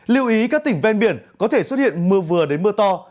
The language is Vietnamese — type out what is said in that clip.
lưu ý các tỉnh ven biển có thể xuất hiện mưa vừa đến mưa to